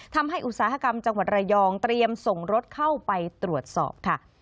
อุตสาหกรรมจังหวัดระยองเตรียมส่งรถเข้าไปตรวจสอบค่ะ